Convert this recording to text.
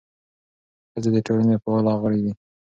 ښځې د ټولنې فعاله غړي دي.